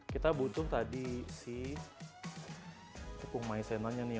kita butuh tadi si tepung maizenanya nih